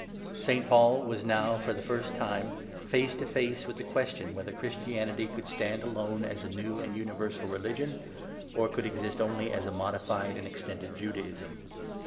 St. Paul was now, for the first time, face to face with the question whether Christianity could stand alone as a new and universal religion, or could exist only as ' a modified and extended Judaism.'